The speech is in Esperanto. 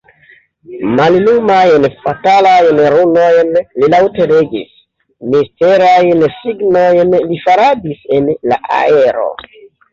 Mallumajn, fatalajn runojn li laŭte legis; misterajn signojn li faradis en la aero.